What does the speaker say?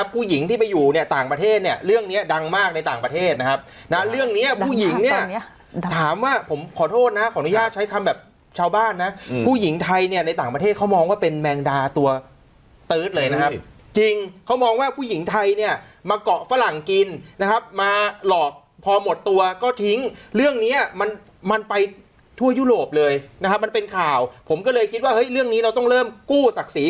ผู้หญิงเนี่ยถามว่าผมขอโทษนะขออนุญาตใช้คำแบบชาวบ้านนะผู้หญิงไทยเนี่ยในต่างประเทศเขามองว่าเป็นแมงดาตัวเติ๊ดเลยนะครับจริงเขามองว่าผู้หญิงไทยเนี่ยมาเกาะฝรั่งกินนะครับมาหลอกพอหมดตัวก็ทิ้งเรื่องเนี้ยมันมันไปทั่วยุโรปเลยนะครับมันเป็นข่าวผมก็เลยคิดว่าเฮ้ยเรื่องนี้เราต้องเริ่มกู้ศักด